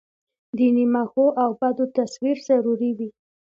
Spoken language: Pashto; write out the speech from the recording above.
د نیمه ښو او بدو تصویر ضروري وي.